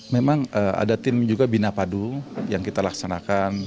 memang ada tim juga binapadu yang kita laksanakan